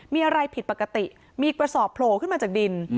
มีอะไรผิดปกติมีกระสอบโผล่ขึ้นมาจากดิน